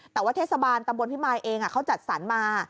แต่ว่าเทศบาลตำบลพิมายเองเขาจัดสรรมา